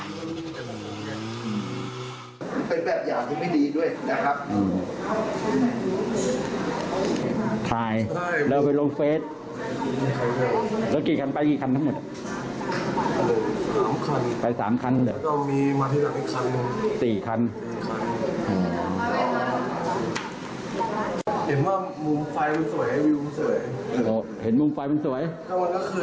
แล้วมันไม่ได้เขิดไม่ได้เปิดคือมันมีแต่พวกผมเนี่ย